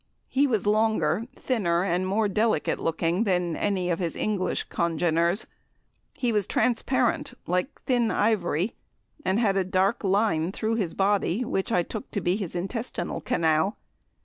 He was longer, thinner, and more delicate looking than any of his English congeners. He was transparent, like thin ivory, and had a dark line through his body, which I took to be the intestinal canal.